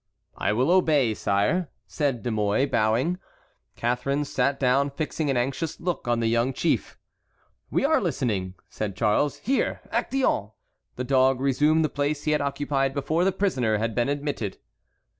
"I will obey, sire," said De Mouy, bowing. Catharine sat down, fixing an anxious look on the young chief. "We are listening," said Charles. "Here, Actéon!" The dog resumed the place he had occupied before the prisoner had been admitted.